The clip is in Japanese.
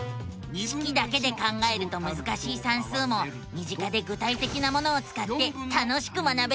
式だけで考えるとむずかしい算数も身近で具体的なものをつかって楽しく学べるのさ！